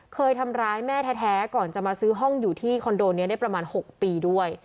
เคยทำร้ายแม่แท้ก่อนจะมาซื้อห้องอยู่ที่คอนโดนี้ได้ประมาณ๖ปีด้วย